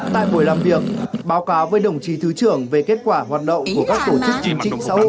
tại buổi làm việc báo cáo với đồng chí thứ trưởng về kết quả hoạt động của các tổ chức chính trị xã hội